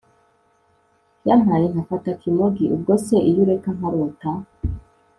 yampayinka fata kimogi, ubwose iyo ureka nkarota